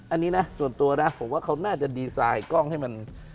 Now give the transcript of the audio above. อันนี้นะส่วนตัวนะผมว่าเขาน่าจะดีไซน์กล้องให้มัน